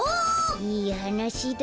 いいはなしだ。